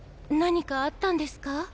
何かあったんですか？